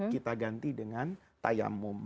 kita ganti dengan tayamum